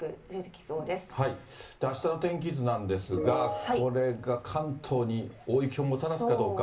あしたの天気図なんですが、これが関東に大雪をもたらすかどうか。